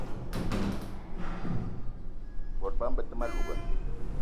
Bot bama be te ma louga